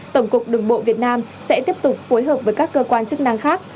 tổng cục đường bộ việt nam sẽ tiếp tục phối hợp với các cơ quan chức năng khác